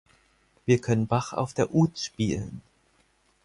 Wir können Bach auf der Oud spielen.